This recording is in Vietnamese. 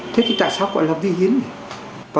thế thì tại sao gọi là vi hiến vậy